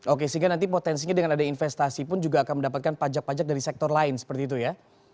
oke sehingga nanti potensinya dengan ada investasi pun juga akan mendapatkan pajak pajak dari sektor lain seperti itu ya